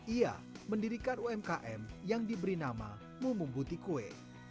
ia mendirikan umkm yang diberi nama mumu buti kue